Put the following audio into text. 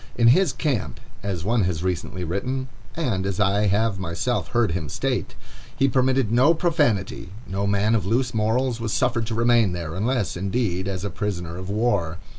"In his camp," as one has recently written, and as I have myself heard him state, "he permitted no profanity; no man of loose morals was suffered to remain there, unless, indeed, as a prisoner of war.